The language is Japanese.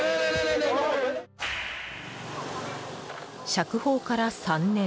釈放から３年。